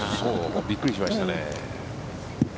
びっくりしましたね。